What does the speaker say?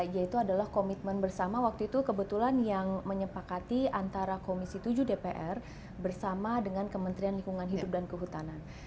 yaitu adalah komitmen bersama waktu itu kebetulan yang menyepakati antara komisi tujuh dpr bersama dengan kementerian lingkungan hidup dan kehutanan